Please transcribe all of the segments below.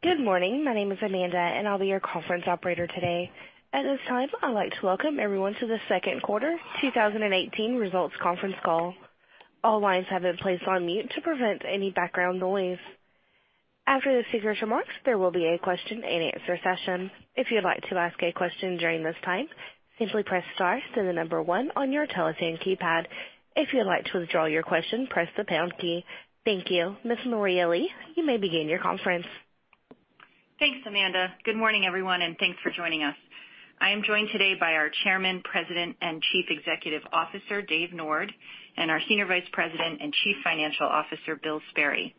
Good morning. My name is Amanda, and I'll be your conference operator today. At this time, I'd like to welcome everyone to the second quarter 2018 results conference call. All lines have been placed on mute to prevent any background noise. After the prepared remarks, there will be a question-and-answer session. If you'd like to ask a question during this time, simply press star, then the number one on your telephone keypad. If you'd like to withdraw your question, press the pound key. Thank you. Ms. Maria Lee, you may begin your conference. Thanks, Amanda. Good morning, everyone, thanks for joining us. I am joined today by our Chairman, President, and Chief Executive Officer, David Nord, and our Senior Vice President and Chief Financial Officer, William Sperry.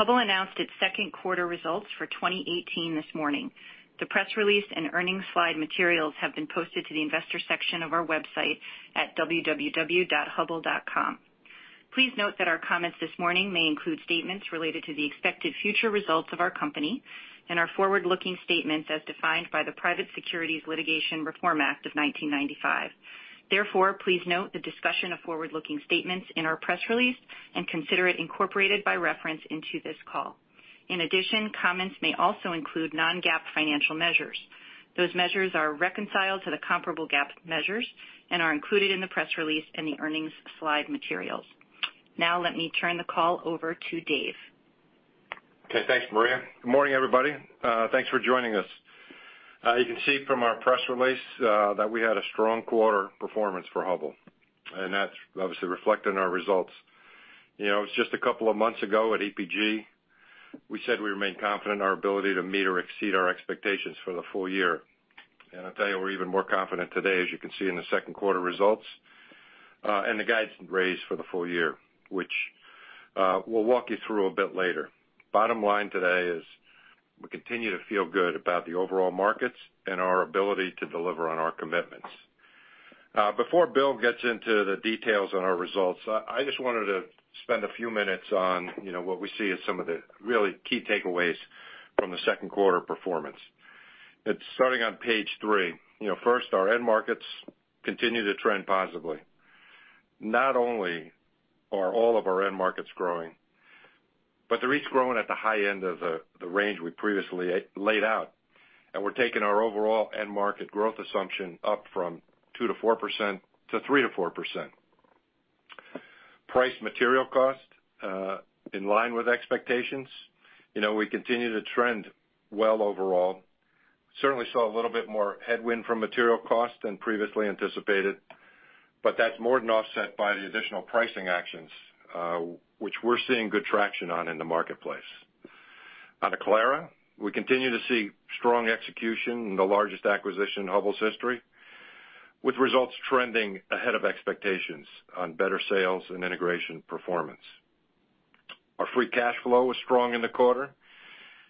Hubbell announced its second quarter results for 2018 this morning. The press release and earnings slide materials have been posted to the investor section of our website at www.hubbell.com. Please note that our comments this morning may include statements related to the expected future results of our company and are forward-looking statements as defined by the Private Securities Litigation Reform Act of 1995. Please note the discussion of forward-looking statements in our press release and consider it incorporated by reference into this call. Comments may also include non-GAAP financial measures. Those measures are reconciled to the comparable GAAP measures and are included in the press release and the earnings slide materials. Let me turn the call over to Dave. Okay. Thanks, Maria. Good morning, everybody. Thanks for joining us. You can see from our press release that we had a strong quarter performance for Hubbell, that's obviously reflected in our results. It was just a couple of months ago at EPG, we said we remain confident in our ability to meet or exceed our expectations for the full year. I'll tell you, we're even more confident today, as you can see in the second quarter results, and the guidance raised for the full year, which we'll walk you through a bit later. Bottom line today is we continue to feel good about the overall markets and our ability to deliver on our commitments. Before Bill gets into the details on our results, I just wanted to spend a few minutes on what we see as some of the really key takeaways from the second quarter performance. It's starting on page three. First, our end markets continue to trend positively. Not only are all of our end markets growing, but they're each growing at the high end of the range we previously laid out, and we're taking our overall end market growth assumption up from 2%-4%, to 3%-4%. Price material cost, in line with expectations. We continue to trend well overall. Certainly saw a little bit more headwind from material cost than previously anticipated, but that's more than offset by the additional pricing actions, which we're seeing good traction on in the marketplace. On Aclara, we continue to see strong execution in the largest acquisition in Hubbell's history, with results trending ahead of expectations on better sales and integration performance. Our free cash flow was strong in the quarter,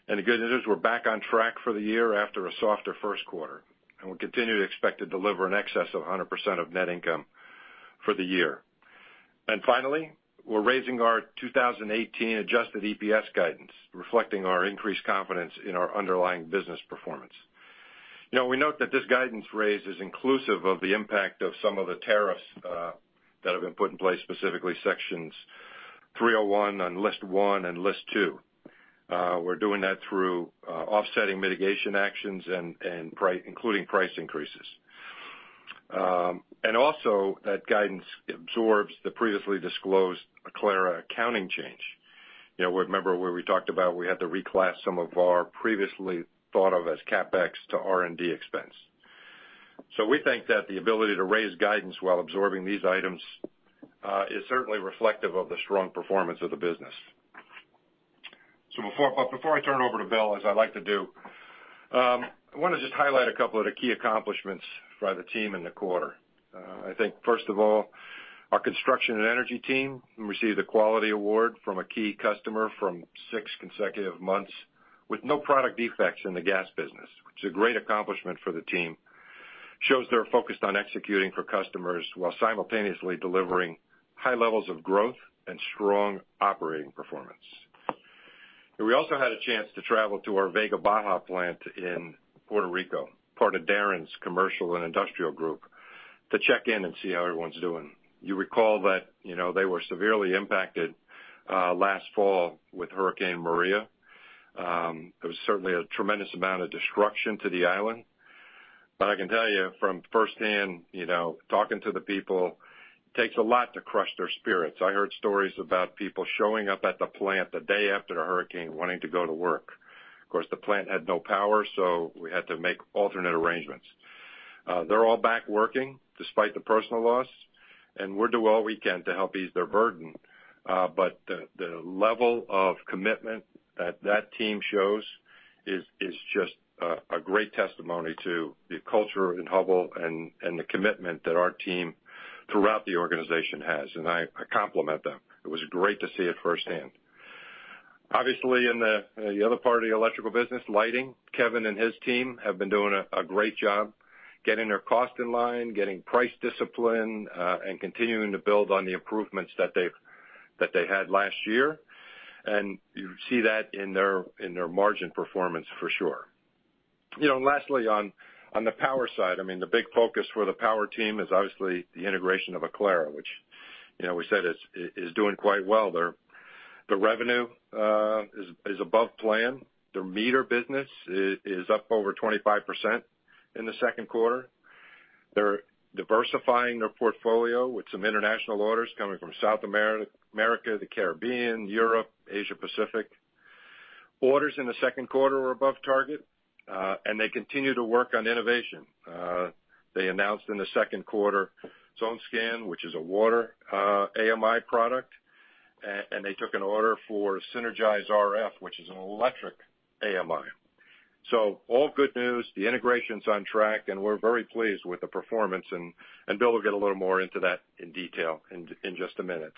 and the good news is we're back on track for the year after a softer first quarter, and we continue to expect to deliver in excess of 100% of net income for the year. Finally, we're raising our 2018 adjusted EPS guidance, reflecting our increased confidence in our underlying business performance. Now, we note that this guidance raise is inclusive of the impact of some of the tariffs that have been put in place, specifically Section 301 on List one and List two. We're doing that through offsetting mitigation actions and including price increases. Also, that guidance absorbs the previously disclosed Aclara accounting change. Remember where we talked about we had to reclass some of our previously thought of as CapEx to R&D expense. We think that the ability to raise guidance while absorbing these items is certainly reflective of the strong performance of the business. But before I turn it over to Bill, as I like to do, I want to just highlight a couple of the key accomplishments by the team in the quarter. I think, first of all, our construction and energy team received a quality award from a key customer for six consecutive months with no product defects in the gas business. It's a great accomplishment for the team. Shows they're focused on executing for customers while simultaneously delivering high levels of growth and strong operating performance. We also had a chance to travel to our Vega Baja plant in Puerto Rico, part of Darrin's Commercial and Industrial group, to check in and see how everyone's doing. You recall that they were severely impacted last fall with Hurricane Maria. There was certainly a tremendous amount of destruction to the island. But I can tell you from firsthand, talking to the people, it takes a lot to crush their spirits. I heard stories about people showing up at the plant the day after the hurricane wanting to go to work. Of course, the plant had no power, so we had to make alternate arrangements. They're all back working despite the personal loss, and we'll do all we can to help ease their burden. But the level of commitment that that team shows is just a great testimony to the culture in Hubbell and the commitment that our team throughout the organization has, and I compliment them. It was great to see it firsthand. Obviously, in the other part of the electrical business, lighting, Kevin and his team have been doing a great job getting their cost in line, getting price discipline, and continuing to build on the improvements that they had last year. You see that in their margin performance for sure. Lastly, on the power side, the big focus for the power team is obviously the integration of Aclara, which we said is doing quite well. The revenue is above plan. Their meter business is up over 25% in the second quarter. They're diversifying their portfolio with some international orders coming from South America, the Caribbean, Europe, Asia Pacific. Orders in the second quarter were above target, and they continue to work on innovation. They announced in the second quarter ZoneScan, which is a water AMI product, and they took an order for Synergize RF, which is an electric AMI. All good news. The integration's on track, and we're very pleased with the performance, and Bill will get a little more into that in detail in just a minute.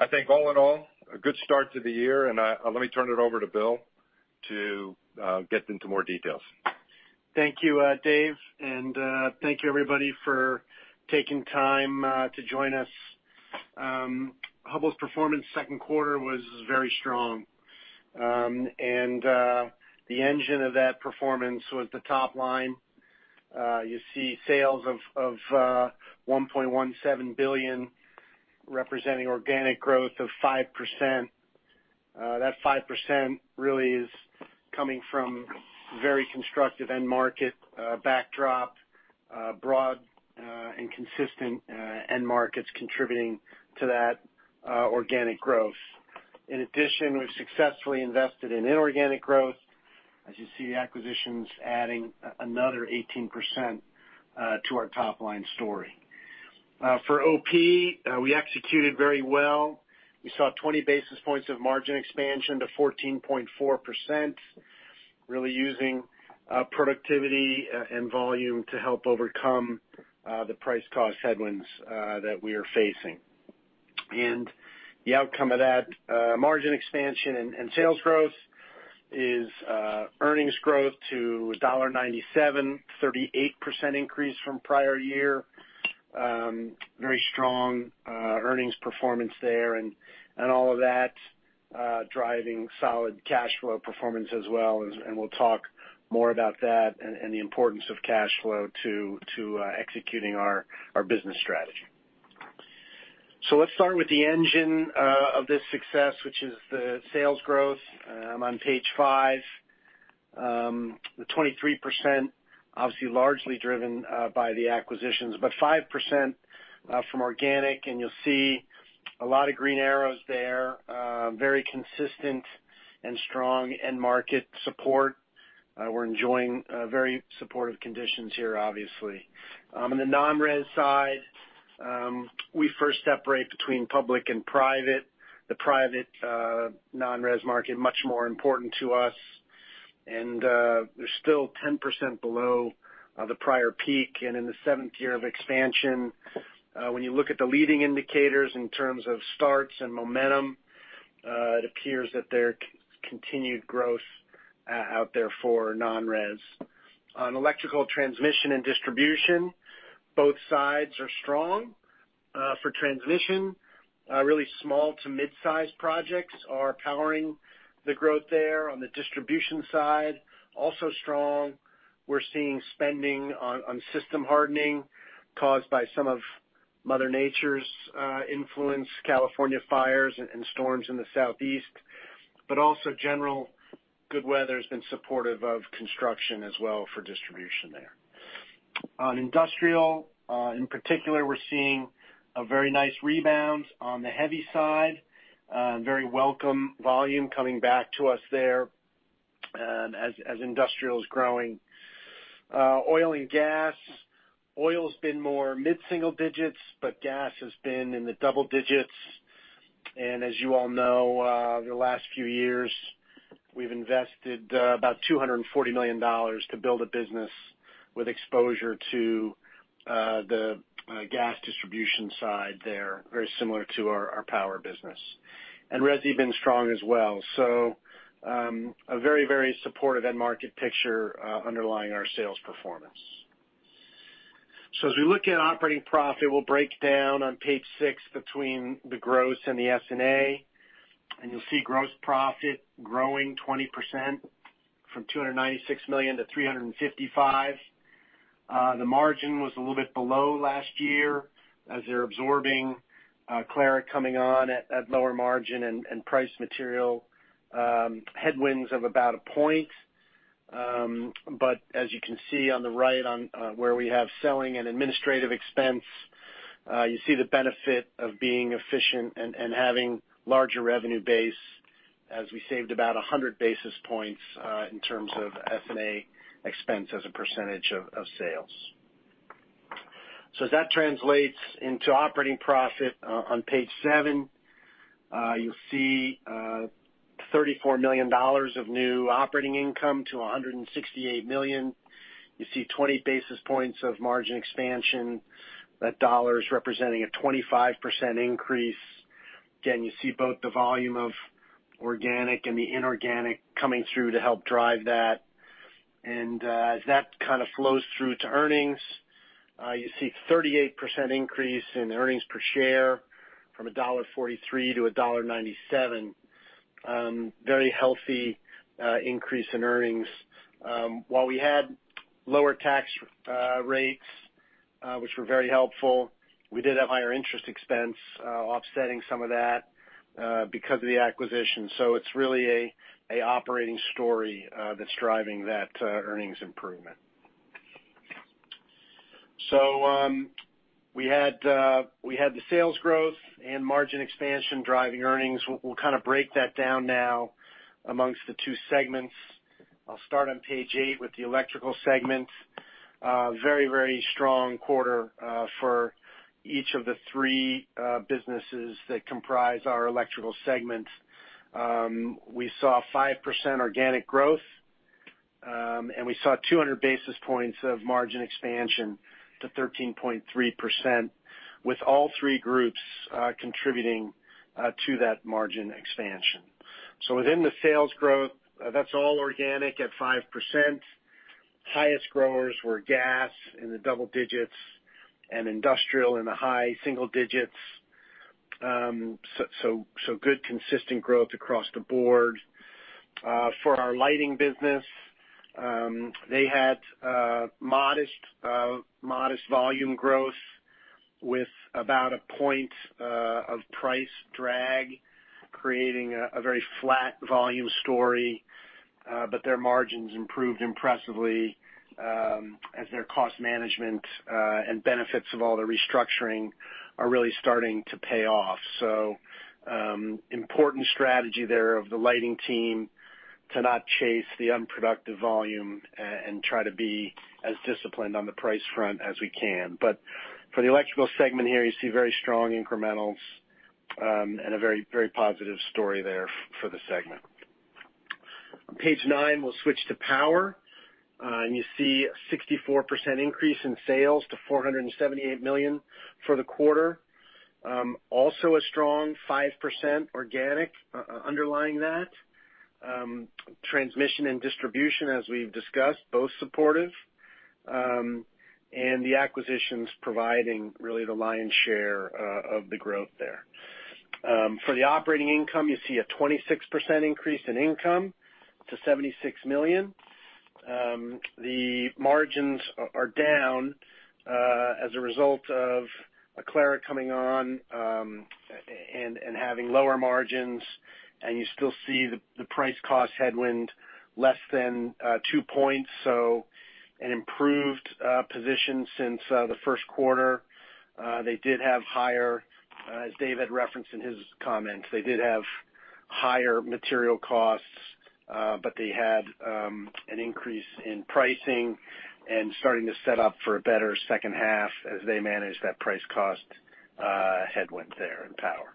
I think all in all, a good start to the year, and let me turn it over to Bill to get into more details. Thank you, Dave, and thank you, everybody, for taking time to join us. Hubbell's performance second quarter was very strong. The engine of that performance was the top line. You see sales of $1.17 billion, representing organic growth of 5%. That 5% really is coming from very constructive end market backdrop, broad and consistent end markets contributing to that organic growth. In addition, we've successfully invested in inorganic growth. As you see acquisitions adding another 18% to our top-line story. For OP, we executed very well. We saw 20 basis points of margin expansion to 14.4%, really using productivity and volume to help overcome the price cost headwinds that we are facing. The outcome of that margin expansion and sales growth is earnings growth to $1.97, 38% increase from prior year. Very strong earnings performance there, and all of that driving solid cash flow performance as well, and we'll talk more about that and the importance of cash flow to executing our business strategy. Let's start with the engine of this success, which is the sales growth on Page 5. The 23% obviously largely driven by the acquisitions, but 5% from organic, and you'll see a lot of green arrows there, very consistent and strong end market support. We're enjoying very supportive conditions here, obviously. On the non-res side, we first separate between public and private. The private non-res market much more important to us, and they're still 10% below the prior peak and in the seventh year of expansion. When you look at the leading indicators in terms of starts and momentum, it appears that there's continued growth out there for non-res. On electrical transmission and distribution, both sides are strong. For transmission, really small to mid-size projects are powering the growth there. On the distribution side, also strong. We're seeing spending on system hardening caused by some of Mother Nature's influence, California fires and storms in the Southeast, but also general good weather has been supportive of construction as well for distribution there. On industrial, in particular, we're seeing a very nice rebound on the heavy side, very welcome volume coming back to us there as industrial is growing. Oil and gas. Oil's been more mid-single digits, but gas has been in the double digits. The last few years, we've invested about $240 million to build a business with exposure to the gas distribution side there, very similar to our power business. Resi been strong as well. A very supportive end market picture underlying our sales performance. As we look at operating profit, we'll break down on Page 6 between the gross and the SG&A. You'll see gross profit growing 20% from $296 million to $355 million. The margin was a little bit below last year as they're absorbing Aclara coming on at lower margin and price material headwinds of about one point. As you can see on the right where we have selling and administrative expense, you see the benefit of being efficient and having larger revenue base as we saved about 100 basis points in terms of SG&A expense as a percentage of sales. As that translates into operating profit on Page 7, you'll see $34 million of new operating income to $168 million. You see 20 basis points of margin expansion. That dollar is representing a 25% increase. Again, you see both the volume of organic and the inorganic coming through to help drive that. As that kind of flows through to earnings You see 38% increase in earnings per share from $1.43 to $1.97. Very healthy increase in earnings. While we had lower tax rates, which were very helpful, we did have higher interest expense offsetting some of that because of the acquisition. It's really an operating story that's driving that earnings improvement. We had the sales growth and margin expansion driving earnings. We'll kind of break that down now amongst the two segments. I'll start on page 8 with the electrical segment. Very strong quarter for each of the 3 businesses that comprise our electrical segment. We saw 5% organic growth, and we saw 200 basis points of margin expansion to 13.3% with all 3 groups contributing to that margin expansion. Within the sales growth, that's all organic at 5%. Highest growers were gas in the double digits and industrial in the high single digits. Good consistent growth across the board. For our lighting business, they had modest volume growth with about one point of price drag, creating a very flat volume story. Their margins improved impressively, as their cost management, and benefits of all the restructuring are really starting to pay off. Important strategy there of the lighting team to not chase the unproductive volume and try to be as disciplined on the price front as we can. For the electrical segment here, you see very strong incrementals, and a very positive story there for the segment. On page 9, we'll switch to power. You see a 64% increase in sales to $478 million for the quarter. Also a strong 5% organic underlying that. Transmission and distribution, as we've discussed, both supportive. The acquisitions providing really the lion's share of the growth there. For the operating income, you see a 26% increase in income to $76 million. The margins are down as a result of Aclara coming on, and having lower margins. You still see the price cost headwind less than two points. An improved position since the first quarter. As Dave had referenced in his comments, they did have higher material costs, but they had an increase in pricing and starting to set up for a better second half as they manage that price cost headwind there in power.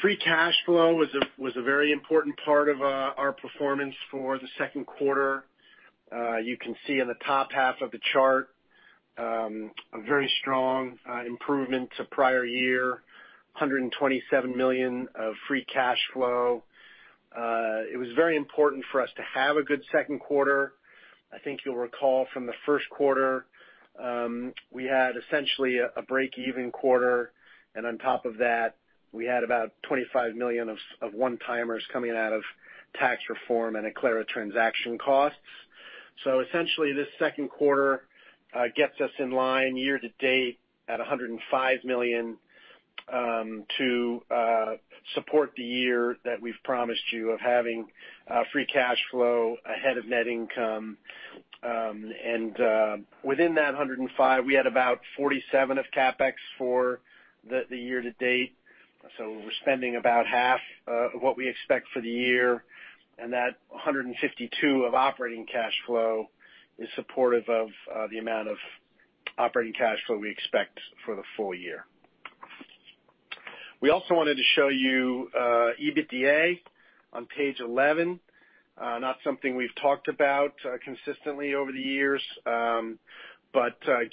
Free cash flow was a very important part of our performance for the second quarter. You can see in the top half of the chart, a very strong improvement to prior year, $127 million of free cash flow. It was very important for us to have a good second quarter. I think you'll recall from the first quarter, we had essentially a break-even quarter, and on top of that, we had about $25 million of one-timers coming out of tax reform and Aclara transaction costs. Essentially, this second quarter gets us in line year to date at $105 million to support the year that we've promised you of having free cash flow ahead of net income. Within that $105, we had about $47 of CapEx for the year to date. We're spending about half of what we expect for the year. That $152 of operating cash flow is supportive of the amount of operating cash flow we expect for the full year. We also wanted to show you EBITDA on page 11. Not something we've talked about consistently over the years.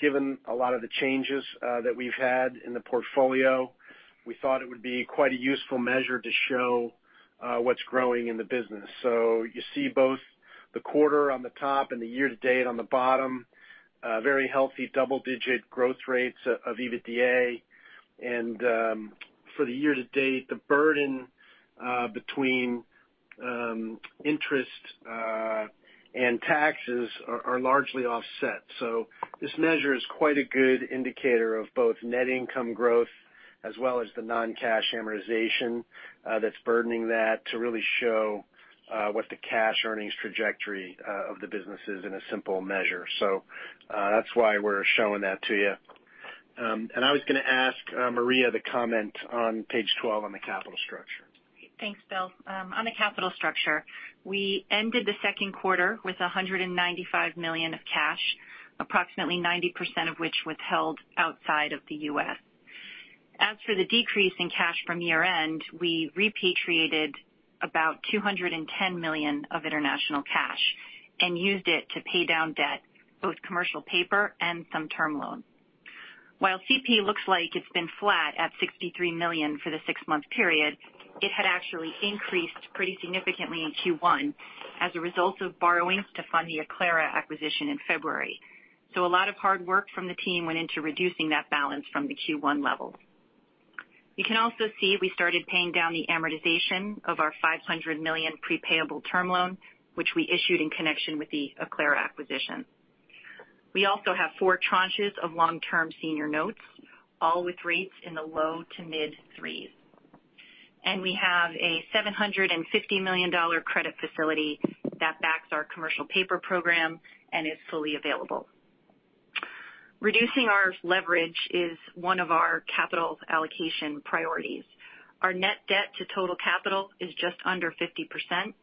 Given a lot of the changes that we've had in the portfolio, we thought it would be quite a useful measure to show what's growing in the business. You see both the quarter on the top and the year to date on the bottom. Very healthy double-digit growth rates of EBITDA. For the year to date, the burden between interest and taxes are largely offset. This measure is quite a good indicator of both net income growth as well as the non-cash amortization that's burdening that to really show what the cash earnings trajectory of the business is in a simple measure. That's why we're showing that to you. I was going to ask Maria to comment on page 12 on the capital structure. Thanks, Bill. On the capital structure, we ended the second quarter with $195 million of cash, approximately 90% of which was held outside of the U.S. As for the decrease in cash from year-end, we repatriated about $210 million of international cash and used it to pay down debt, both commercial paper and some term loans. While CP looks like it's been flat at $63 million for the six-month period, it had actually increased pretty significantly in Q1 as a result of borrowings to fund the Aclara acquisition in February. A lot of hard work from the team went into reducing that balance from the Q1 levels. You can also see we started paying down the amortization of our $500 million pre-payable term loan, which we issued in connection with the Aclara acquisition. We also have four tranches of long-term senior notes, all with rates in the low to mid threes. We have a $750 million credit facility that backs our commercial paper program and is fully available. Reducing our leverage is one of our capital allocation priorities. Our net debt to total capital is just under 50%,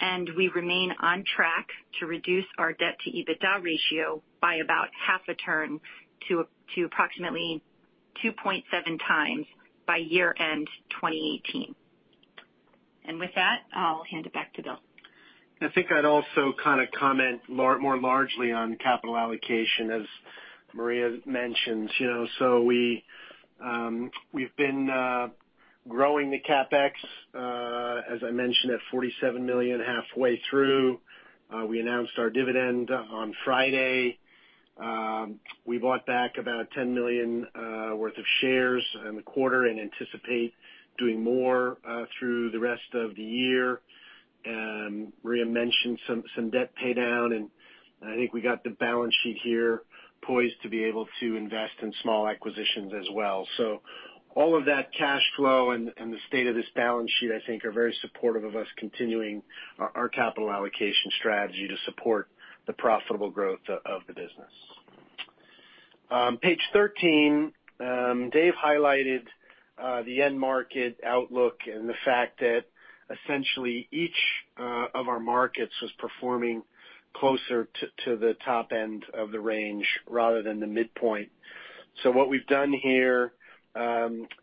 and we remain on track to reduce our debt-to-EBITDA ratio by about half a turn to approximately 2.7 times by year-end 2018. With that, I'll hand it back to Bill. I think I'd also comment more largely on capital allocation, as Maria mentioned. We've been growing the CapEx, as I mentioned, at $47 million halfway through. We announced our dividend on Friday. We bought back about $10 million worth of shares in the quarter and anticipate doing more through the rest of the year. Maria mentioned some debt paydown, and I think we got the balance sheet here poised to be able to invest in small acquisitions as well. All of that cash flow and the state of this balance sheet, I think, are very supportive of us continuing our capital allocation strategy to support the profitable growth of the business. Page 13. Dave highlighted the end market outlook and the fact that essentially each of our markets was performing closer to the top end of the range rather than the midpoint. What we've done here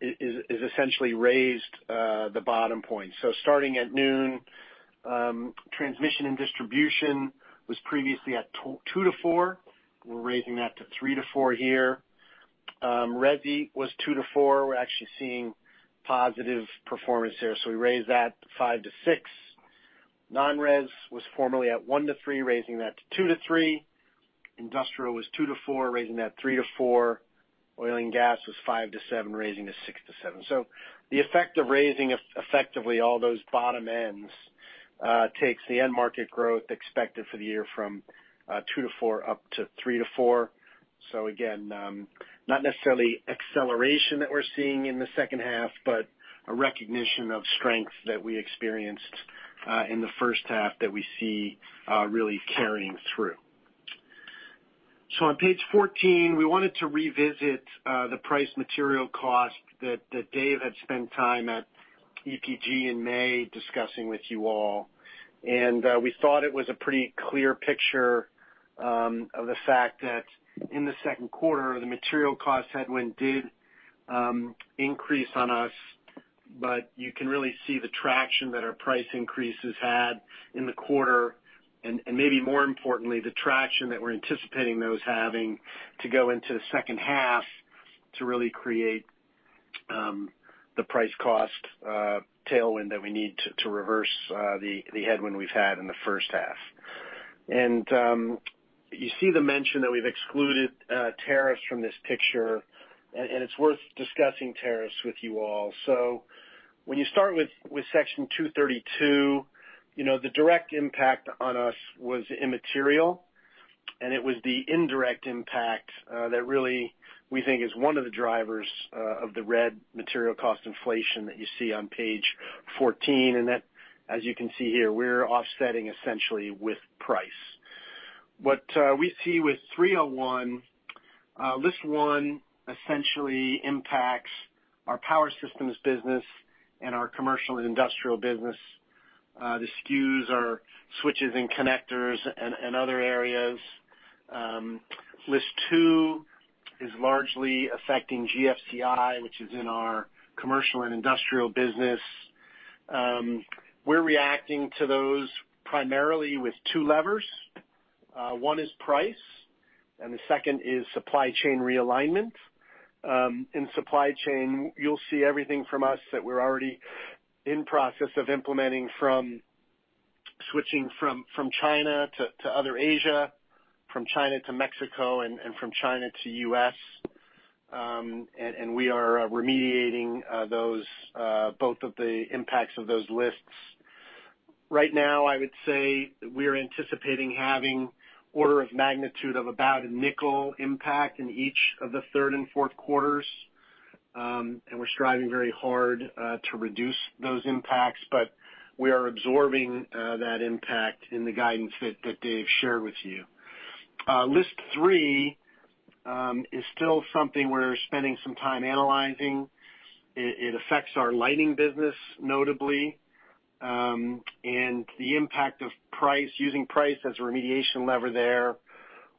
is essentially raised the bottom point. Starting at noon, transmission and distribution was previously at 2%-4%. We're raising that to 3%-4% here. Resi was 2%-4%. We're actually seeing positive performance there. We raised that to 5%-6%. Non-res was formerly at 1%-3%, raising that to 2%-3%. Industrial was 2%-4%, raising that 3%-4%. Oil and gas was 5%-7%, raising to 6%-7%. The effect of raising effectively all those bottom ends takes the end market growth expected for the year from 2%-4% up to 3%-4%. Again, not necessarily acceleration that we're seeing in the second half, but a recognition of strength that we experienced in the first half that we see really carrying through. On page 14, we wanted to revisit the price material cost that Dave had spent time at EPG in May discussing with you all. We thought it was a pretty clear picture of the fact that in the second quarter, the material cost headwind did increase on us. You can really see the traction that our price increases had in the quarter, and maybe more importantly, the traction that we're anticipating those having to go into the second half to really create the price cost tailwind that we need to reverse the headwind we've had in the first half. You see the mention that we've excluded tariffs from this picture, and it's worth discussing tariffs with you all. When you start with Section 232, the direct impact on us was immaterial, and it was the indirect impact that really we think is one of the drivers of the red material cost inflation that you see on page 14, and that, as you can see here, we're offsetting essentially with price. What we see with 301, list one essentially impacts our power systems business and our commercial and industrial business. The SKUs are switches and connectors and other areas. List two is largely affecting GFCI, which is in our commercial and industrial business. We're reacting to those primarily with two levers. One is price, and the second is supply chain realignment. In supply chain, you'll see everything from us that we're already in process of implementing, from switching from China to other Asia, from China to Mexico, and from China to U.S., and we are remediating both of the impacts of those lists. Right now, I would say we're anticipating having order of magnitude of about a $0.05 impact in each of the third and fourth quarters, and we're striving very hard to reduce those impacts. We are absorbing that impact in the guidance that Dave shared with you. List three is still something we're spending some time analyzing. It affects our lighting business notably, and the impact of using price as a remediation lever there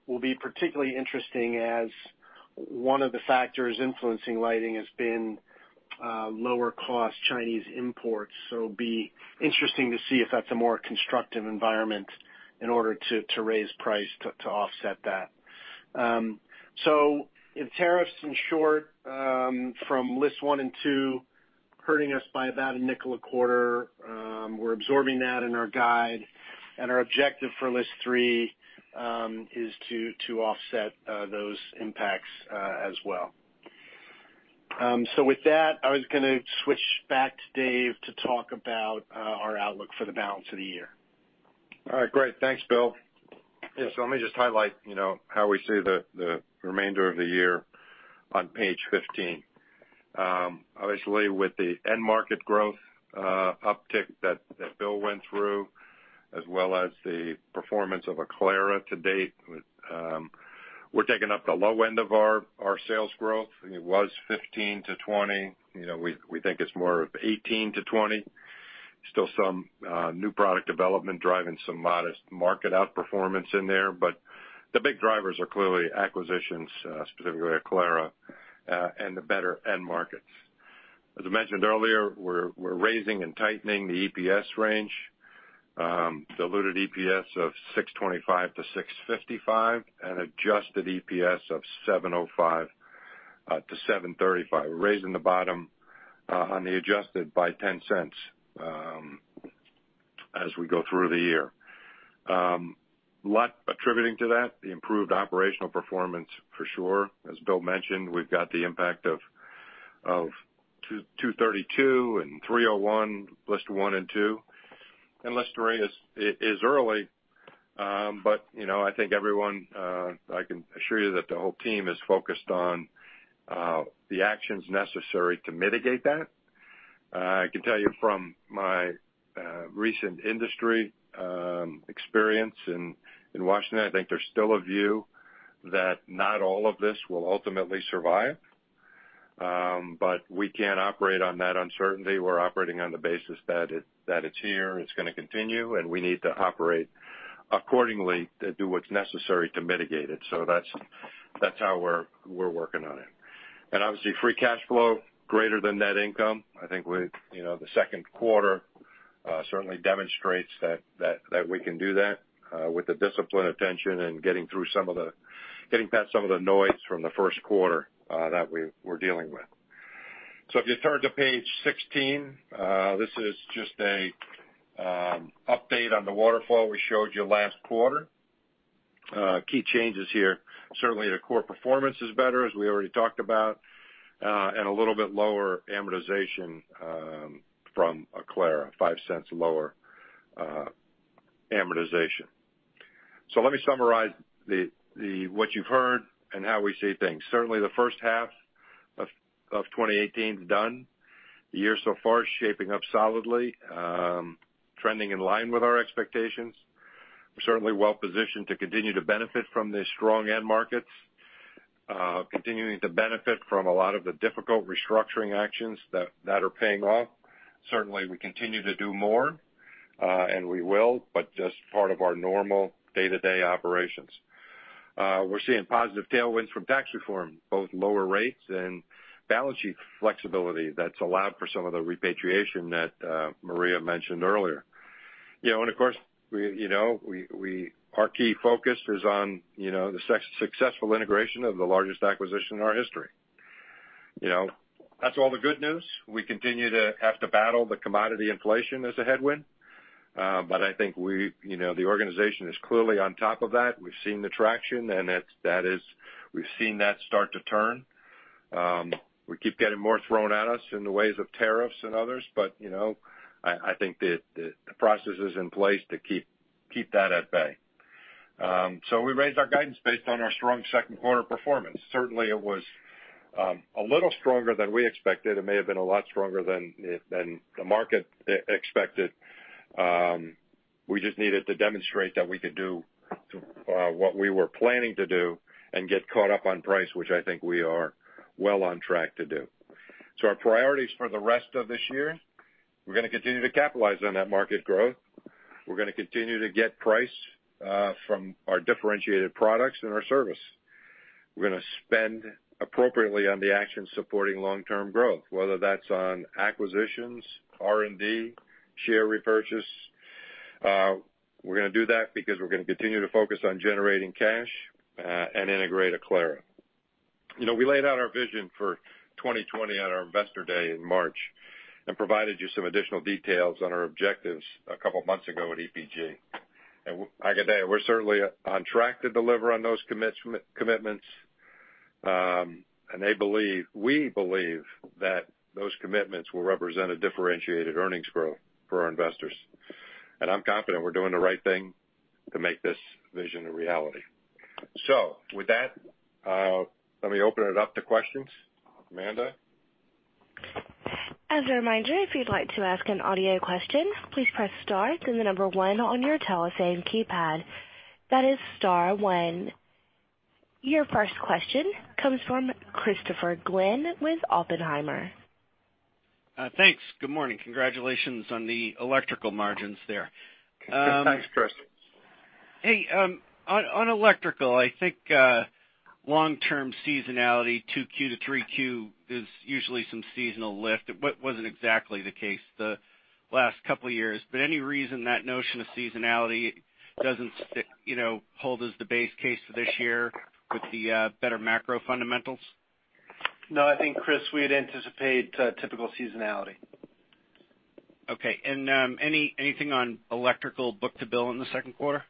will be particularly interesting as one of the factors influencing lighting has been lower cost Chinese imports. It'll be interesting to see if that's a more constructive environment in order to raise price to offset that. In tariffs, in short, from list one and two, hurting us by about a $0.05 a quarter. We're absorbing that in our guide, and our objective for list three, is to offset those impacts as well. With that, I was going to switch back to Dave to talk about our outlook for the balance of the year. All right, great. Thanks, Bill. Let me just highlight how we see the remainder of the year on page 15. Obviously with the end market growth uptick that Bill went through, as well as the performance of Aclara to date, we're taking up the low end of our sales growth. It was 15%-20%. We think it's more of 18%-20%. Still some new product development driving some modest market outperformance in there. The big drivers are clearly acquisitions, specifically Aclara, and the better end markets. As I mentioned earlier, we're raising and tightening the EPS range. Diluted EPS of $6.25-$6.55, and adjusted EPS of $7.05-$7.35. We're raising the bottom on the adjusted by $0.10 as we go through the year. A lot attributing to that, the improved operational performance for sure. As Bill mentioned, we've got the impact of 232 and 301, list one and two, and list three is early. I think everyone, I can assure you that the whole team is focused on the actions necessary to mitigate that. I can tell you from my recent industry experience in Washington, I think there's still a view that not all of this will ultimately survive. We can't operate on that uncertainty. We're operating on the basis that it's here, it's going to continue, and we need to operate accordingly to do what's necessary to mitigate it. That's how we're working on it. Obviously, free cash flow greater than net income. I think the second quarter certainly demonstrates that we can do that with the disciplined attention and getting past some of the noise from the first quarter that we were dealing with. If you turn to page 16, this is just an update on the waterfall we showed you last quarter. Key changes here, certainly the core performance is better, as we already talked about, and a little bit lower amortization from Aclara, $0.05 lower amortization. Let me summarize what you've heard and how we see things. Certainly the first half of 2018's done. The year so far is shaping up solidly, trending in line with our expectations. We're certainly well positioned to continue to benefit from the strong end markets, continuing to benefit from a lot of the difficult restructuring actions that are paying off. Certainly, we continue to do more, and we will, but just part of our normal day-to-day operations. We're seeing positive tailwinds from tax reform, both lower rates and balance sheet flexibility that's allowed for some of the repatriation that Maria mentioned earlier. Of course our key focus is on the successful integration of the largest acquisition in our history. That's all the good news. We continue to have to battle the commodity inflation as a headwind. I think the organization is clearly on top of that. We've seen the traction and we've seen that start to turn. We keep getting more thrown at us in the ways of tariffs and others, I think the process is in place to keep that at bay. We raised our guidance based on our strong second quarter performance. Certainly it was a little stronger than we expected. It may have been a lot stronger than the market expected. We just needed to demonstrate that we could do what we were planning to do and get caught up on price, which I think we are well on track to do. Our priorities for the rest of this year, we're going to continue to capitalize on that market growth. We're going to continue to get price from our differentiated products and our service. We're going to spend appropriately on the actions supporting long-term growth, whether that's on acquisitions, R&D, share repurchase. We're going to do that because we're going to continue to focus on generating cash, and integrate Aclara. We laid out our vision for 2020 at our investor day in March and provided you some additional details on our objectives a couple of months ago at EPG. I got to tell you, we're certainly on track to deliver on those commitments. We believe that those commitments will represent a differentiated earnings growth for our investors. I'm confident we're doing the right thing to make this vision a reality. With that, let me open it up to questions. Amanda? As a reminder, if you'd like to ask an audio question, please press star then the number 1 on your telephone keypad. That is star 1. Your first question comes from Christopher Glynn with Oppenheimer. Thanks. Good morning. Congratulations on the electrical margins there. Thanks, Chris Hey, on electrical, I think long-term seasonality 2Q to 3Q is usually some seasonal lift. It wasn't exactly the case the last couple of years. Any reason that notion of seasonality doesn't hold as the base case for this year with the better macro fundamentals? No, I think, Chris, we had anticipated typical seasonality. Okay. Anything on electrical book-to-bill in the second quarter?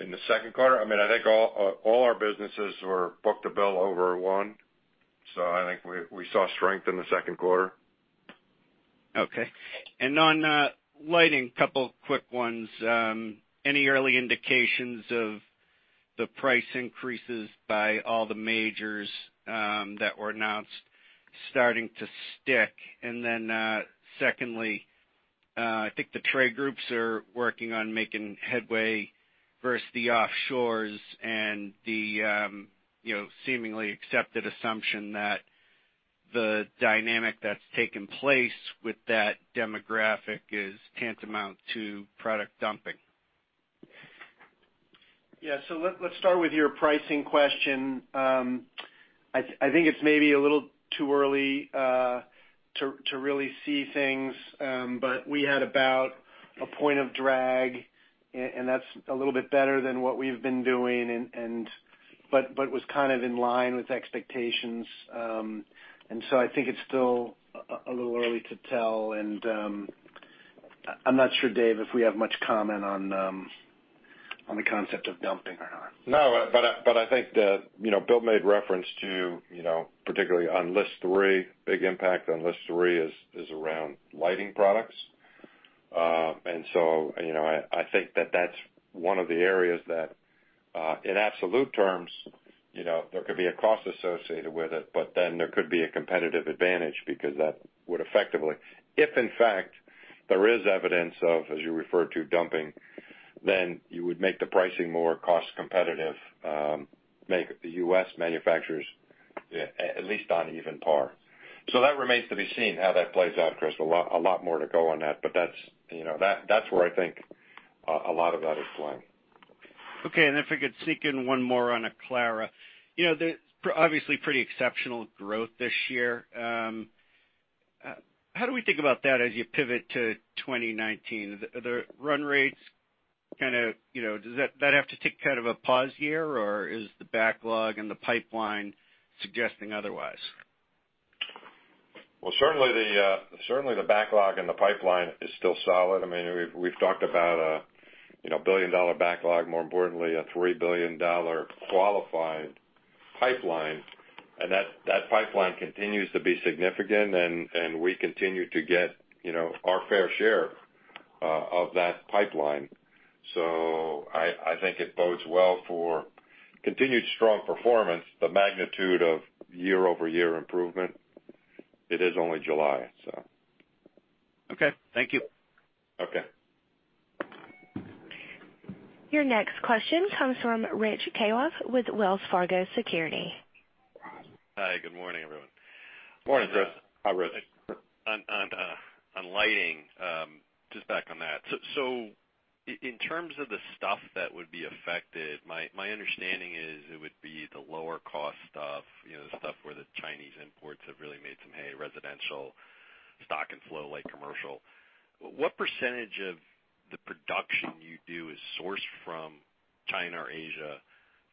In the second quarter? I think all our businesses were book-to-bill over one. I think we saw strength in the second quarter. Okay. On lighting, couple of quick ones. Any early indications of the price increases by all the majors that were announced starting to stick? Secondly, I think the trade groups are working on making headway versus the offshores and the seemingly accepted assumption that the dynamic that's taken place with that demographic is tantamount to product dumping. Yeah. Let's start with your pricing question. I think it's maybe a little too early to really see things, but we had about a point of drag, and that's a little bit better than what we've been doing, but was kind of in line with expectations. I think it's still a little early to tell. I'm not sure, Dave, if we have much comment on the concept of dumping or not. No. I think that Bill made reference to, particularly on list three, big impact on list three is around lighting products. I think that's one of the areas that, in absolute terms, there could be a cost associated with it, there could be a competitive advantage because that would effectively, if in fact there is evidence of, as you referred to, dumping, then you would make the pricing more cost competitive, make the U.S. manufacturers at least on even par. That remains to be seen how that plays out, Chris. A lot more to go on that's where I think a lot of that is playing. Okay. If I could sneak in one more on Aclara. Obviously, pretty exceptional growth this year. How do we think about that as you pivot to 2019? The run rates, does that have to take kind of a pause year, or is the backlog and the pipeline suggesting otherwise? Well, certainly, the backlog and the pipeline is still solid. We've talked about a billion-dollar backlog, more importantly, a $3 billion qualified pipeline, and that pipeline continues to be significant, and we continue to get our fair share of that pipeline. I think it bodes well for continued strong performance, the magnitude of year-over-year improvement. It is only July. Okay. Thank you. Okay. Your next question comes from Rich Kwas with Wells Fargo Securities. Hi, good morning, everyone. Morning, Rich. On lighting, just back on that. In terms of the stuff that would be affected, my understanding is it would be the lower cost stuff, the stuff where the Chinese imports have really made some hay, residential stock and flow like commercial. What percentage of the production you do is sourced from China or Asia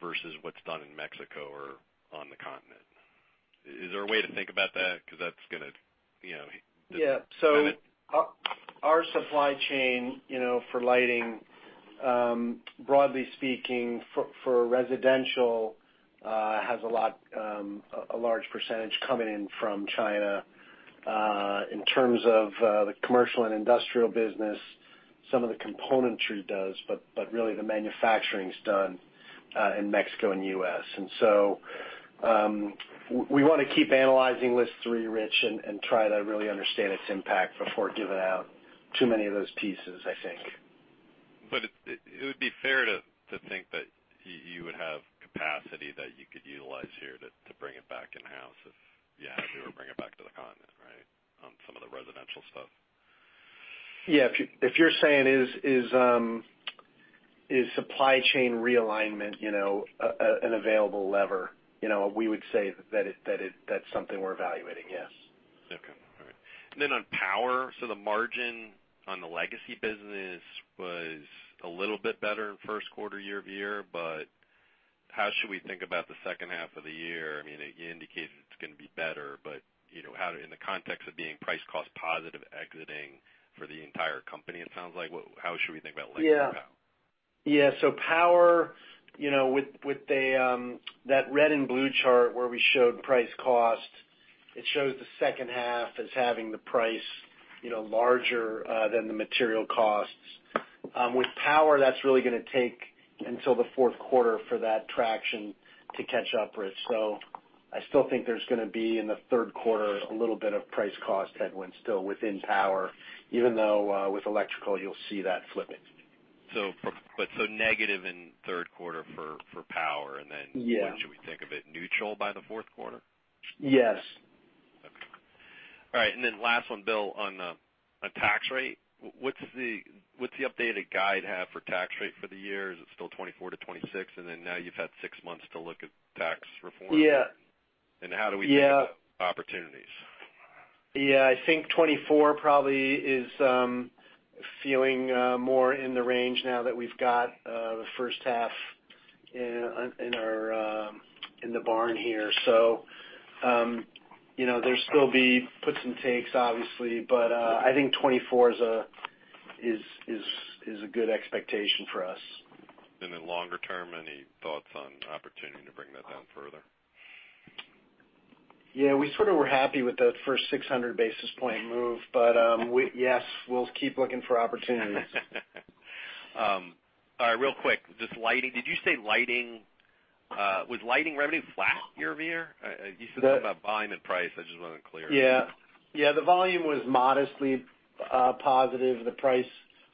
versus what's done in Mexico or on the continent? Is there a way to think about that? Yeah. Our supply chain for lighting, broadly speaking, for residential, has a large percentage coming in from China. In terms of the commercial and industrial business, some of the componentry does, but really the manufacturing's done in Mexico and U.S. We want to keep analyzing list three, Rich, and try to really understand its impact before giving out too many of those pieces, I think. It would be fair to think that you would have capacity that you could utilize here to bring it back in-house if you were bringing it back to the continent, right? On some of the residential stuff. Yeah. If you're saying is supply chain realignment an available lever? We would say that's something we're evaluating, yes. Okay. All right. On power, the margin on the legacy business was a little bit better in first quarter year-over-year, how should we think about the second half of the year? You indicated it's going to be better, in the context of being price cost positive exiting for the entire company, it sounds like. How should we think about legacy power? Yeah. Power, with that red and blue chart where we showed price cost, it shows the second half as having the price larger than the material costs. With power, that's really going to take until the fourth quarter for that traction to catch up, Rich. I still think there's going to be, in the third quarter, a little bit of price cost headwind still within power, even though with electrical, you'll see that flipping. Negative in third quarter for power. Yeah When should we think of it neutral by the fourth quarter? Yes. All right, last one, Bill, on tax rate. What's the updated guide have for tax rate for the year? Is it still 24%-26%? Now you've had six months to look at tax reform. Yeah. How do we think about opportunities? Yeah, I think 24 probably is feeling more in the range now that we've got the first half in the barn here. There'll still be puts and takes, obviously, but I think 24 is a good expectation for us. Longer term, any thoughts on opportunity to bring that down further? Yeah, we sort of were happy with the first 600 basis point move, but yes, we'll keep looking for opportunities. All right, real quick, just lighting? Was lighting revenue flat year-over-year? You said something about volume and price, I just want it clear. Yeah. The volume was modestly positive. The price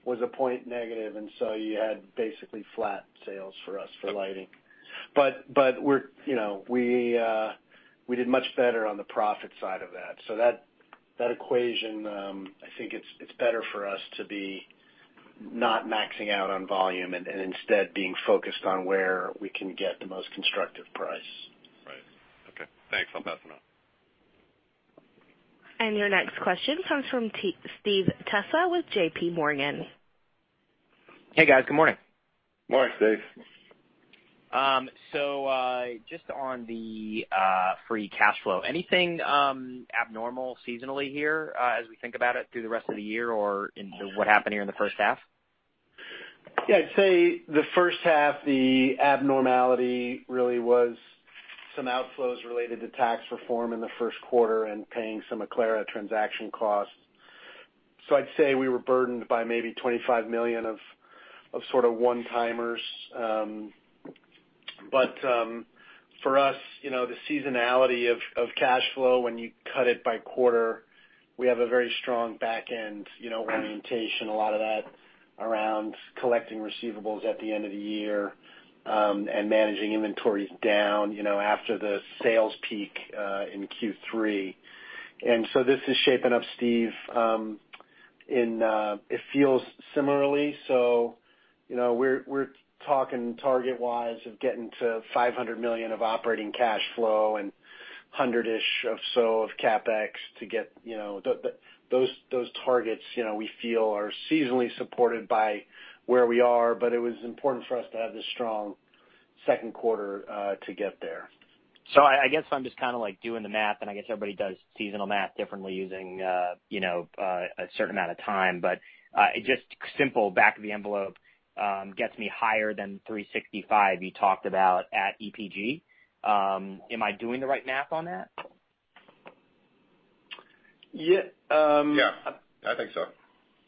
was a point negative, you had basically flat sales for us for lighting. We did much better on the profit side of that. That equation, I think it's better for us to be not maxing out on volume and instead being focused on where we can get the most constructive price. Right. Okay. Thanks. I'm passing on. Your next question comes from Steve Tusa with J.P. Morgan. Hey, guys. Good morning. Morning, Steve. Just on the free cash flow. Anything abnormal seasonally here, as we think about it through the rest of the year, or in what happened here in the first half? I'd say the first half, the abnormality really was some outflows related to tax reform in the first quarter and paying some Aclara transaction costs. I'd say we were burdened by maybe $25 million of sort of one-timers. For us, the seasonality of cash flow, when you cut it by quarter, we have a very strong back end orientation, a lot of that around collecting receivables at the end of the year, and managing inventories down after the sales peak in Q3. This is shaping up, Steve. It feels similarly, we're talking target-wise of getting to $500 million of operating cash flow and hundred-ish of CapEx to get those targets we feel are seasonally supported by where we are. It was important for us to have this strong second quarter to get there. I guess I'm just kind of doing the math, and I guess everybody does seasonal math differently using a certain amount of time. Just simple back of the envelope gets me higher than 365 you talked about at EPG. Am I doing the right math on that? Yeah. Yeah, I think so.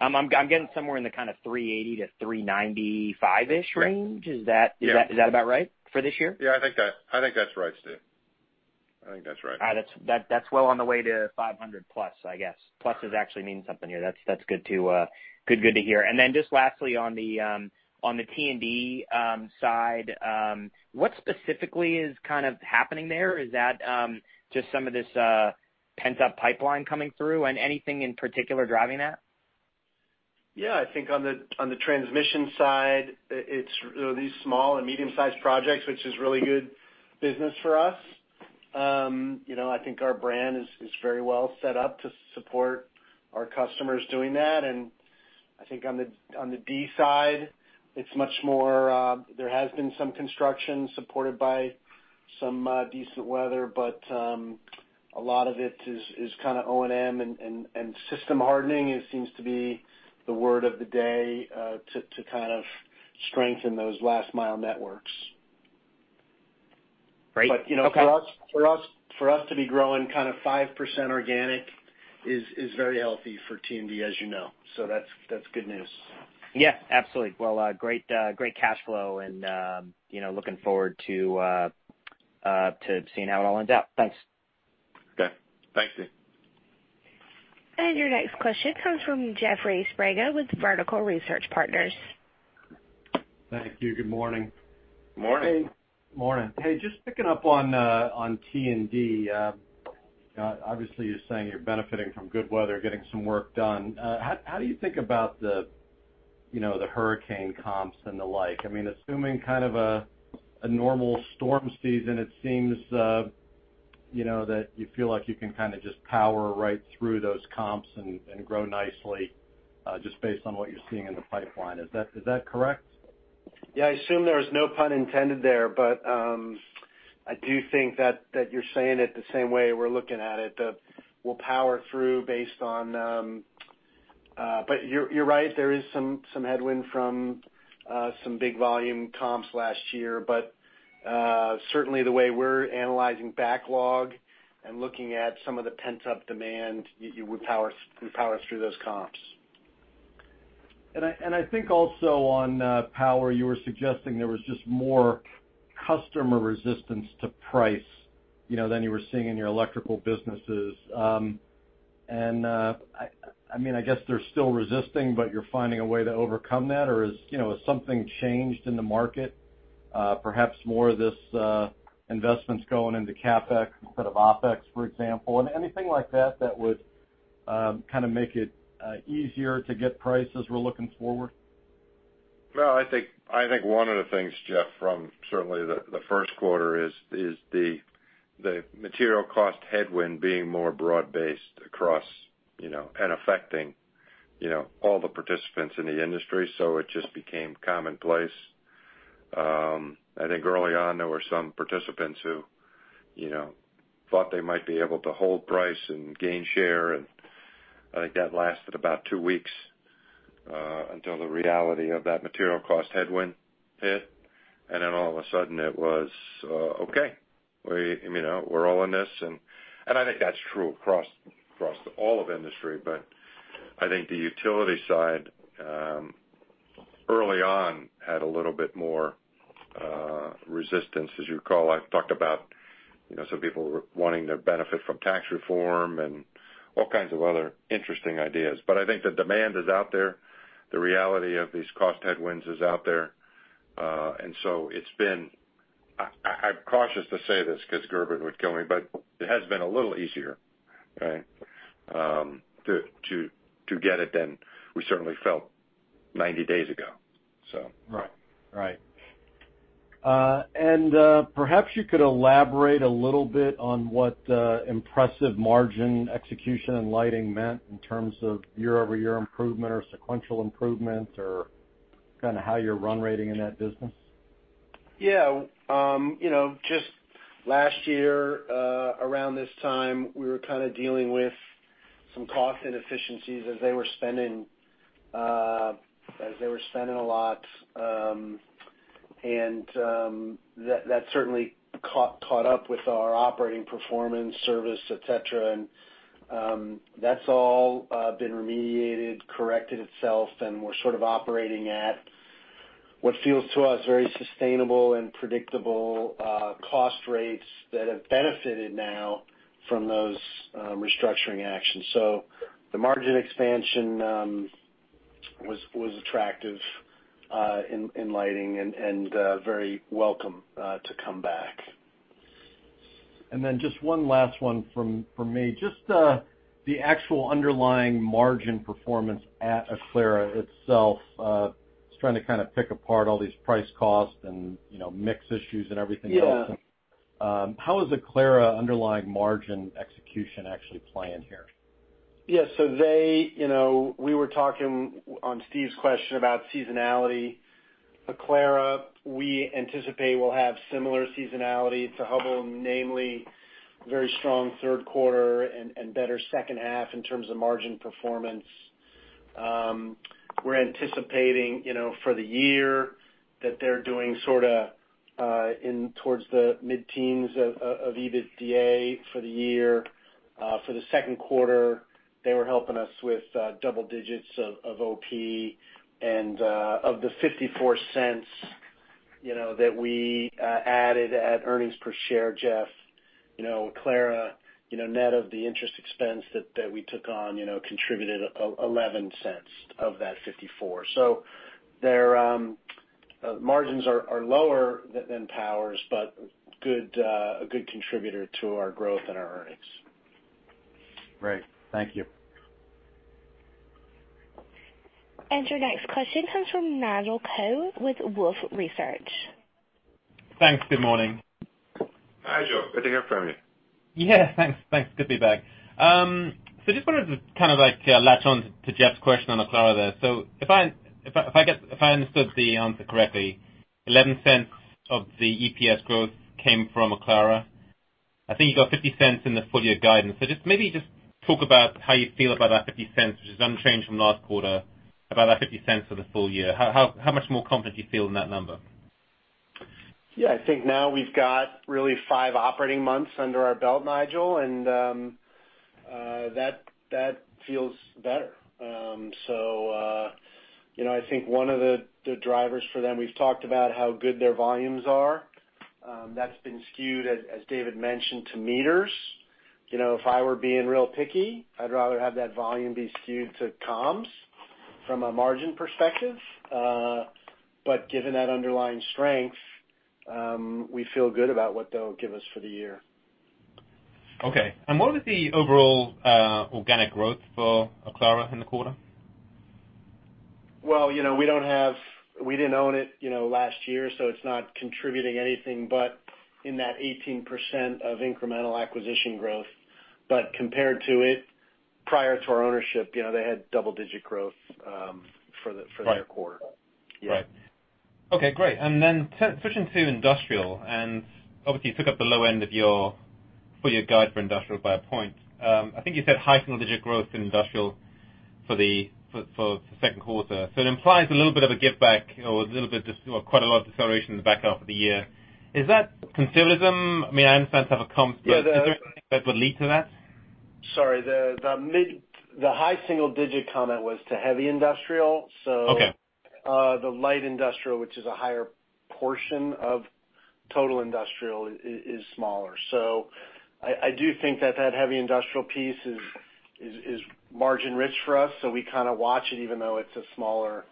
I'm getting somewhere in the kind of $380-$395-ish range. Yeah. Is that about right for this year? Yeah, I think that's right, Steve. I think that's right. All right, that's well on the way to 500 plus, I guess. Plus is actually means something here. That's good to hear. Then just lastly on the T&D side, what specifically is kind of happening there? Is that just some of this pent-up pipeline coming through, and anything in particular driving that? Yeah, I think on the transmission side, it's these small and medium-sized projects, which is really good business for us. I think our brand is very well set up to support our customers doing that. I think on the D side, it's much more, there has been some construction supported by some decent weather, but a lot of it is kind of O&M and system hardening. It seems to be the word of the day to kind of strengthen those last mile networks. Great. Okay. For us to be growing kind of 5% organic is very healthy for T&D, as you know. That's good news. Yeah, absolutely. Well, great cash flow and looking forward to seeing how it all ends up. Thanks. Okay. Thanks, Steve. Your next question comes from Jeffrey Sprague with Vertical Research Partners. Thank you. Good morning. Morning. Morning. Hey, just picking up on T&D. Obviously, you're saying you're benefiting from good weather, getting some work done. How do you think about the hurricane comps and the like? Assuming kind of a normal storm season, it seems that you feel like you can kind of just power right through those comps and grow nicely, just based on what you're seeing in the pipeline. Is that correct? Yeah, I assume there was no pun intended there, but I do think that you're saying it the same way we're looking at it, that we'll power through. You're right, there is some headwind from some big volume comps last year. Certainly the way we're analyzing backlog and looking at some of the pent-up demand, we power through those comps. I think also on power, you were suggesting there was just more customer resistance to price than you were seeing in your electrical businesses. I guess they're still resisting, but you're finding a way to overcome that, or has something changed in the market? Perhaps more of this investment's going into CapEx instead of OpEx, for example, and anything like that that would kind of make it easier to get price as we're looking forward? Well, I think one of the things, Jeff, from certainly the first quarter is the material cost headwind being more broad-based across and affecting all the participants in the industry. It just became commonplace. I think early on, there were some participants who thought they might be able to hold price and gain share, and I think that lasted about two weeks until the reality of that material cost headwind hit. All of a sudden, it was okay. We're all in this, and I think that's true across all of industry. I think the utility side, early on, had a little bit more resistance. As you recall, I've talked about some people wanting to benefit from tax reform and all kinds of other interesting ideas. I think the demand is out there. The reality of these cost headwinds is out there. I'm cautious to say this because Gerben would kill me, but it has been a little easier, right, to get it than we certainly felt 90 days ago. Right. Perhaps you could elaborate a little bit on what impressive margin execution and lighting meant in terms of year-over-year improvement or sequential improvements or kind of how you're run rating in that business. Yeah. Just last year around this time, we were kind of dealing with some cost inefficiencies as they were spending a lot, that certainly caught up with our operating performance, service, et cetera, that's all been remediated, corrected itself, we're sort of operating at what feels to us very sustainable and predictable cost rates that have benefited now from those restructuring actions. The margin expansion was attractive in lighting and very welcome to come back. Just one last one from me. Just the actual underlying margin performance at Aclara itself. Just trying to kind of pick apart all these price costs and mix issues and everything else. Yeah. How is Aclara underlying margin execution actually playing here? Yeah. We were talking on Steve's question about seasonality. Aclara, we anticipate, will have similar seasonality to Hubbell, namely very strong third quarter and better second half in terms of margin performance. We're anticipating, for the year, that they're doing sort of towards the mid-teens of EBITDA for the year. For the second quarter, they were helping us with double digits of OP and of the $0.54 that we added at earnings per share, Jeff, Aclara, net of the interest expense that we took on contributed $0.11 of that $0.54. Their margins are lower than Powers, but a good contributor to our growth and our earnings. Great. Thank you. Your next question comes from Nigel Coe with Wolfe Research. Thanks. Good morning. Nigel, good to hear from you. Yeah, thanks. Good to be back. Just wanted to kind of latch on to Jeff's question on Aclara there. If I understood the answer correctly, $0.11 of the EPS growth came from Aclara. I think you got $0.50 in the full year guidance. Just maybe just talk about how you feel about that $0.50, which is unchanged from last quarter, about that $0.50 for the full year. How much more confident do you feel in that number? Yeah, I think now we've got really five operating months under our belt, Nigel, and that feels better. I think one of the drivers for them, we've talked about how good their volumes are. That's been skewed, as David mentioned, to meters. If I were being real picky, I'd rather have that volume be skewed to comms from a margin perspective. Given that underlying strength, we feel good about what they'll give us for the year. Okay. What is the overall organic growth for Aclara in the quarter? Well, we didn't own it last year, so it's not contributing anything but in that 18% of incremental acquisition growth. Compared to it prior to our ownership, they had double-digit growth for their quarter. Right. Okay, great. Then switching to industrial, obviously you took up the low end of your full year guide for industrial by a point. I think you said high single digit growth in industrial for the second quarter. It implies a little bit of a give back or quite a lot of deceleration in the back half of the year. Is that conservatism? I mean, I understand it's half a comp- Yeah, the- Is there anything that would lead to that? Sorry. The high single digit comment was to heavy industrial. Okay The light industrial, which is a higher portion of total industrial, is smaller. I do think that that heavy industrial piece is margin-rich for us, so we kind of watch it even though it's a smaller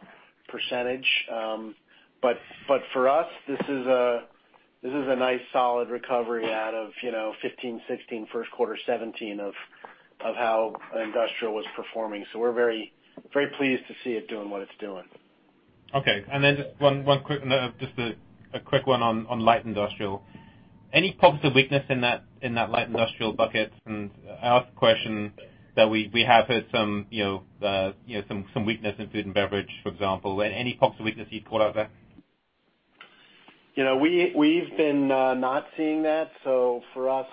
percentage. For us, this is a nice solid recovery out of 2015, 2016, first quarter 2017 of how industrial was performing. We're very pleased to see it doing what it's doing. Okay. Then just a quick one on light industrial. Any pockets of weakness in that light industrial bucket? I ask the question that we have heard some weakness in food and beverage, for example. Any pockets of weakness you've caught out there? We've been not seeing that. For us,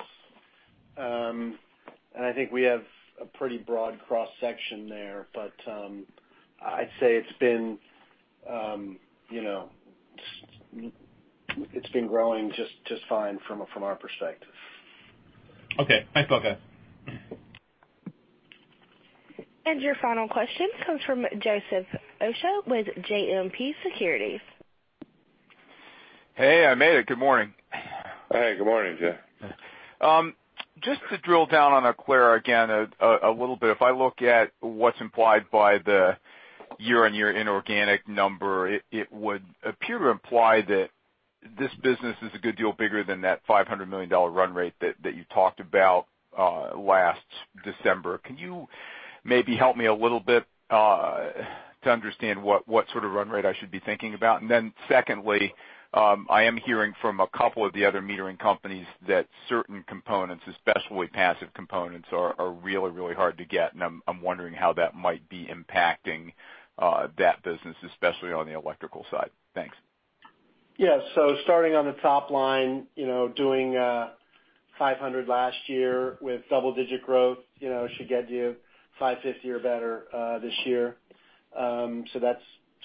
I think we have a pretty broad cross-section there, I'd say it's been growing just fine from our perspective. Okay. Thanks, Buck. Your final question comes from Joseph Osha with JMP Securities. Hey, I made it. Good morning. Hey, good morning, Joe. Just to drill down on Aclara again a little bit. If I look at what's implied by the year-on-year inorganic number, it would appear to imply that this business is a good deal bigger than that $500 million run rate that you talked about last December. Can you maybe help me a little bit to understand what sort of run rate I should be thinking about? Secondly, I am hearing from a couple of the other metering companies that certain components, especially passive components, are really, really hard to get, and I'm wondering how that might be impacting that business, especially on the electrical side. Thanks. Yeah. Starting on the top line, doing $500 last year with double-digit growth should get you $550 or better this year. That's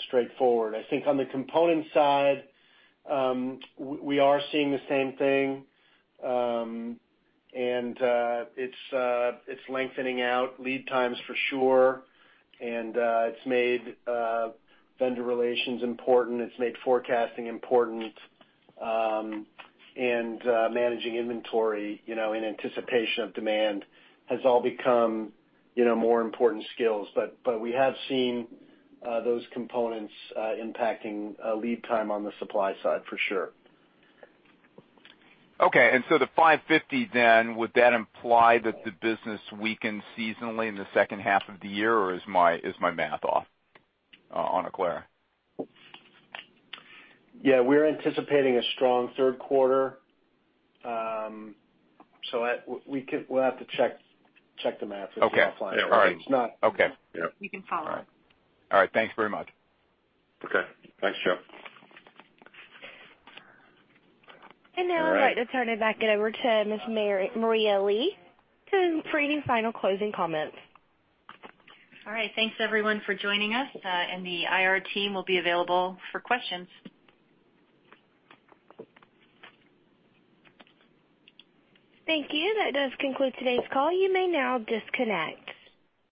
straightforward. I think on the component side, we are seeing the same thing, and it's lengthening out lead times for sure. It's made vendor relations important. It's made forecasting important, and managing inventory in anticipation of demand has all become more important skills. We have seen those components impacting lead time on the supply side for sure. Okay. The $550 then, would that imply that the business weakened seasonally in the second half of the year, or is my math off on Aclara? Yeah, we're anticipating a strong third quarter. We'll have to check the math with you offline. Okay. All right. It's. Okay. Yep. We can follow up. All right. Thanks very much. Okay. Thanks, Joe. Now I'd like to turn it back over to Ms. Maria Lee for any final closing comments. All right. Thanks, everyone, for joining us. The IR team will be available for questions. Thank you. That does conclude today's call. You may now disconnect.